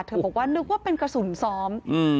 บอกว่านึกว่าเป็นกระสุนซ้อม